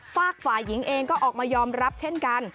ฝากฝ่ายหญิงเองก็ออกมายอมรับเช่นกัน